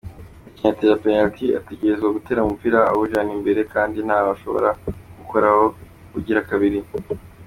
Umukinyi atera penaliti ategerezwa gutera umupira awujana imbere, kandi ntashobora kuwukorako ubugira kabiri.